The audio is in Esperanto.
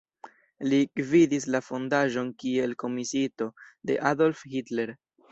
Li gvidis la fondaĵon kiel komisiito de Adolf Hitler.